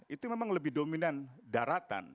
itu memang lebih dominan daratan